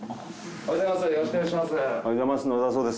おはようございます。